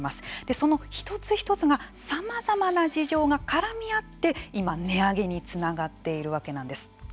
その一つ一つがさまざまな事情が絡み合って今、値上げにつながっているわけなんです。